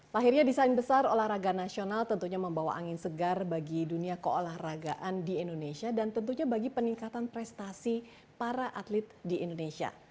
lahirnya desain besar olahraga nasional tentunya membawa angin segar bagi dunia keolahragaan di indonesia dan tentunya bagi peningkatan prestasi para atlet di indonesia